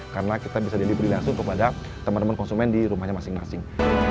karena kita bisa dihidupi langsung kepada teman teman konsumen di rumahnya masing masing